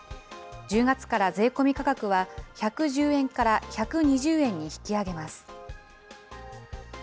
１０月から税込み価格は１１０円から１２０円に引き上げます。